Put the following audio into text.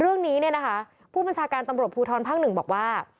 เรื่องนี้เนี่ยนะคะผู้บัญชาการตำรวจภูทรภาคหนึ่งบอกว่า